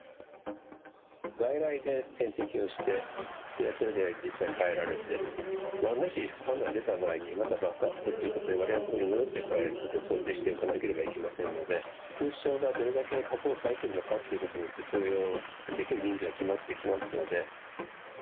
外来で点滴をして、それで実際帰られて、もし副反応が出た場合に、またバックアップということで、われわれの所に戻ってこられることを想定しておかなければいけませんので、空床がどれだけ確保されているのかということによって、投与できる人数が決まってきますので。